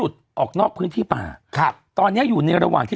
ยังไงยังไงยังไงยังไง